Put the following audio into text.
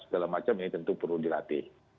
segala macam ini tentu perlu dilatih